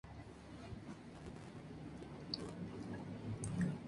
Teresa visita la tumba de Leandro, y jura matar a Celeste.